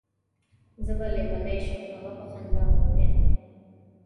زه به لېونی شم. هغه په خندا وویل.